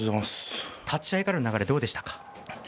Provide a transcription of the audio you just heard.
立ち合いからの流れどうでしたか。